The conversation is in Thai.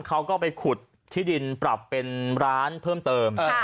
เขาก็ไปขุดที่ดินปรับเป็นร้านเพิ่มเติม